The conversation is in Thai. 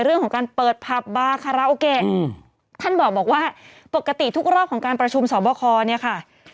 เรื่องของการเปิดผับบาคาราโอเกะท่านบอกว่าปกติทุกรอบของการประชุมสอบคอเนี่ยค่ะ